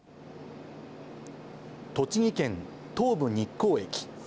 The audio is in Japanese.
栃木県東武日光駅。